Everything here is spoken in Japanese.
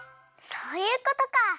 そういうことか。